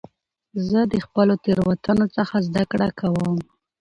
زه د خپلو تېروتنو څخه زده کړه کوم.